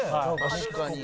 確かに。